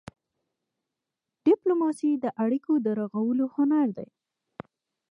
ډيپلوماسي د اړیکو د رغولو هنر دی.